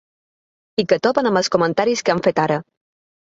I que topen amb els comentaris que han fet ara.